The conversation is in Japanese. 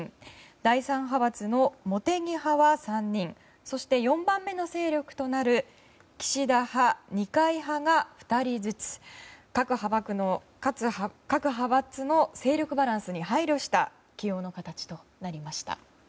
第３派閥の茂木派は３人そして４番目の勢力となる岸田派、二階派が２人ずつと各派閥の勢力バランスに配慮した起用の形となりました。